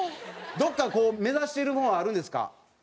どこかこう目指してるものはあるんですか？